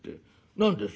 何です？」。